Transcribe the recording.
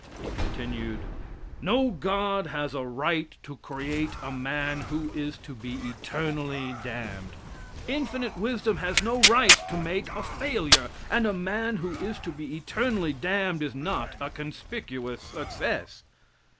He continued:] No God has a right to create a man who is to be eternally damned. Infinite wisdom has no right to make a failure, and a man who is to be eternally damned is not a conspicuous success.